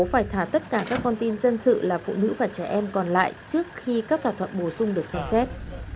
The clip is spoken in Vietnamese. phải thả tất cả các con tin dân sự là phụ nữ và trẻ em còn lại trước khi các thỏa thuận bổ sung được xem xét